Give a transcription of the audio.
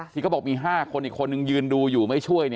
สิก็บอกมี๕คนอีกคนหนึ่งยืนดูอยู่ไม่ช่วย